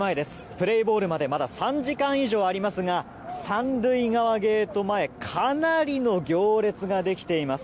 プレーボールまでまだ３時間以上ありますが３塁側ゲート前かなりの行列ができています。